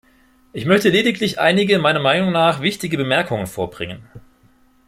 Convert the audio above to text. Ich möchte lediglich einige meiner Meinung nach wichtige Bemerkungen vorbringen.